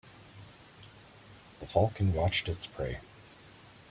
The falcon watched its prey.